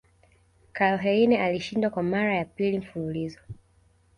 KarlHeine alishinda Kwa mara ya pili mfululizo